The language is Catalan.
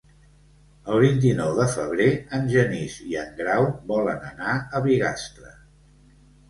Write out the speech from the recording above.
El vint-i-nou de febrer en Genís i en Grau volen anar a Bigastre.